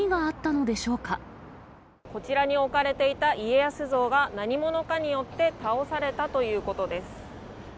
こちらに置かれていた家康像が、何者かによって倒されたということです。